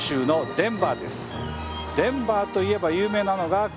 デンバーといえば有名なのがこちら。